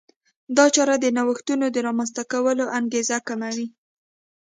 دا چاره د نوښتونو د رامنځته کولو انګېزه کموي.